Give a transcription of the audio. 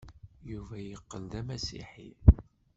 Yuba yeqqel d amasiḥi.